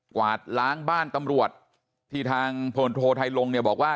กวาดล้างบ้านตำรวจที่ทางพลโทไทยลงเนี่ยบอกว่า